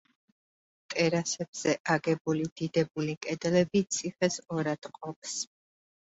ტერასებზე აგებული დიდებული კედლები ციხეს ორად ყოფს.